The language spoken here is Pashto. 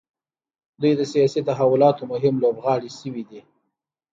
دوی د سیاسي تحولاتو مهم لوبغاړي شوي دي.